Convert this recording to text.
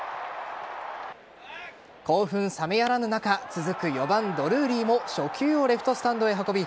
興奮冷めやらぬ中続く、４番・ドルーリーも初球をレフトスタンドへ運び